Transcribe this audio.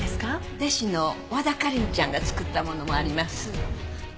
弟子の和田花梨ちゃんが作ったものもあります。